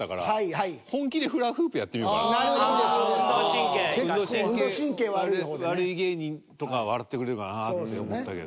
運動神経悪い方でね。とか笑ってくれるかなって思ったけど。